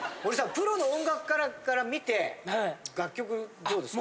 プロの音楽家から見て楽曲どうですか？